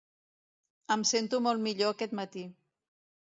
Em sento molt millor aquest matí.